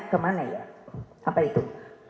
kemana ya apa itu